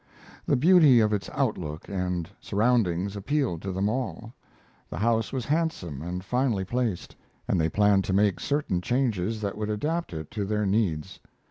The beauty of its outlook and surroundings appealed to them all. The house was handsome and finely placed, and they planned to make certain changes that would adapt it to their needs.